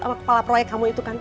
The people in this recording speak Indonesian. sama kepala proyek kamu itu kan